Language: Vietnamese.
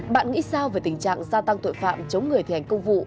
bạn nghĩ sao về tình trạng gia tăng tội phạm chống người thi hành công vụ